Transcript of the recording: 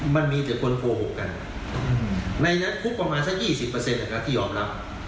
มันมีแต่คนโกหกกันในนั้นคุกประมาณสัก๒๐ที่ยอมรับ